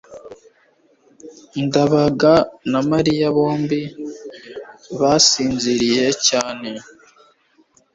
ndabaga na mariya bombi basinziriye cyane